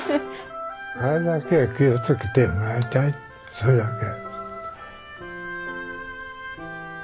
それだけ。